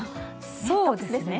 そうですね。